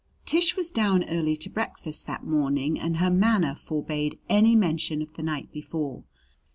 II Tish was down early to breakfast that morning and her manner forbade any mention of the night before.